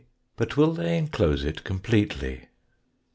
But will they enclose it completely